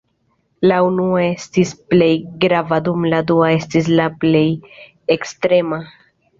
La unua estis la plej grava dum la dua estis la plej ekstrema.